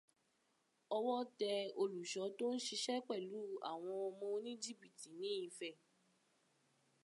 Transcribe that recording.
Ọwọ́ tẹ olùṣọ́ tí ó ń ṣiṣẹ́ pẹ̀lú àwọn ọmọ oníjìbìtì ní Ifẹ̀.